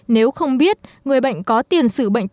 nếu không biết người bệnh có tiền